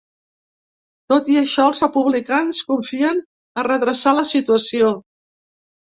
Tot i això, els republicans confien a redreçar la situació.